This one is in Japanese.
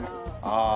ああ。